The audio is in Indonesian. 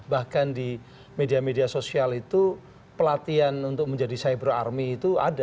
bahkan di media media sosial itu pelatihan untuk menjadi cyber army itu ada